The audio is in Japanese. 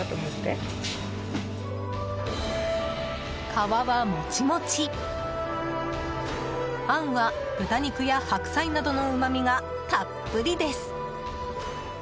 皮はもちもちあんは豚肉や白菜などのうまみがたっぷりです！